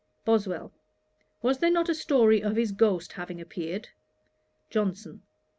BOSWELL. 'Was there not a story of his ghost having appeared?' JOHNSON.